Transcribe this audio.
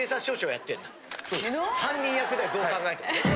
犯人役だよどう考えても。